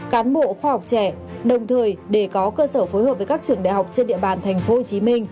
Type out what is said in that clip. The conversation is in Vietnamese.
cán bộ khoa học trẻ đồng thời để có cơ sở phối hợp với các trường đại học trên địa bàn tp hcm